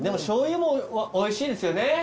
しょうゆもおいしいですよね？